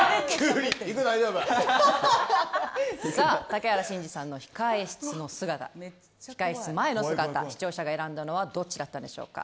竹原慎二さんの控室前の姿視聴者が選んだのはどちらだったのでしょうか。